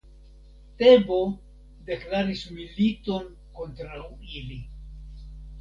Tebo deklaris militon kontraŭ ili.